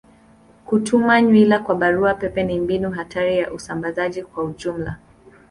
Kutuma nywila kwa barua pepe ni mbinu hatari ya usambazaji kwa ujumla.